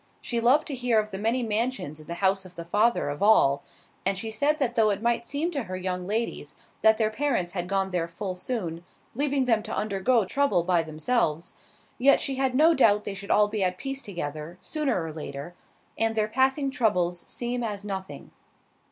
She loved to hear of the many mansions in the House of the Father of all; and she said that though it might seem to her young ladies that their parents had gone there full soon, leaving them to undergo trouble by themselves, yet she had no doubt they should all be at peace together, sooner or later, and their passing troubles seem as nothing.